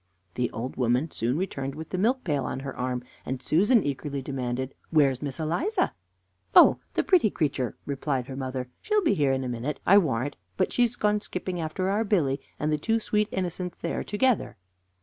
The old woman soon returned with the milk pail on her arm, and Susan eagerly demanded: "Where's Miss Eliza?" "Oh, the pretty creature!" replied her mother, "she'll be here in a minute, I warrant her; but she has gone skipping after our Billy, and the two sweet innocents they are together."